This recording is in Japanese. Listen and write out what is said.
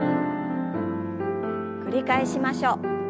繰り返しましょう。